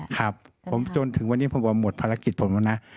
ครับผมจนถึงวันนี้ผมว่าหมดภารกิจผมแล้วนะ